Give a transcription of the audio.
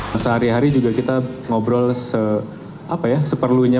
nah sehari hari juga kita ngobrol seperlunya